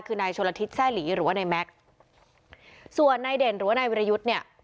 คือนายชนละทิศแซ่หลีหรือว่านายแม็กซ์ส่วนนายเด่นหรือว่านายวิรยุทธ์เนี่ย